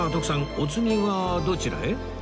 お次はどちらへ？